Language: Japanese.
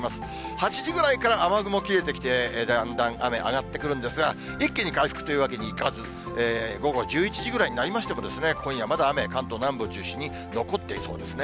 ８時ぐらいから雨雲切れてきて、だんだん雨上がってくるんですが、一気に回復というわけにはいかず、午後１１時ぐらいになりましても、今夜まだ雨、関東南部を中心に残っていそうですね。